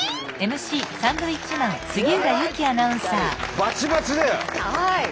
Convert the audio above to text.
バチバチ。